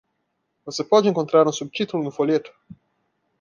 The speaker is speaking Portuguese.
Você pode encontrar um subtítulo no folheto?